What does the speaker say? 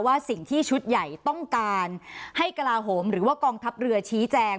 ว่าสิ่งที่ชุดใหญ่ต้องการให้กระลาโหมหรือว่ากองทัพเรือชี้แจง